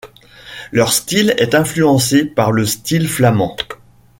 Leur style est influencé par le style flamand.